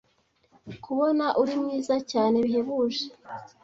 kubona uri mwiza cyane bihebuje